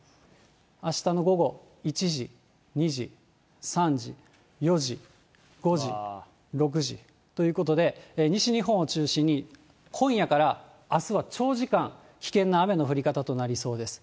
あしたの午後１時、２時、３時、４時、５時、６時、ということで、西日本を中心に、今夜からあすは長時間、危険な雨の降り方となりそうです。